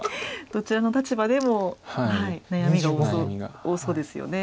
どちらの立場でも悩みが多そうですよね。